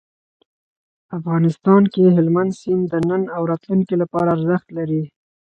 افغانستان کې هلمند سیند د نن او راتلونکي لپاره ارزښت لري.